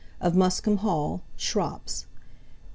of Muskham Hall, Shrops: marr.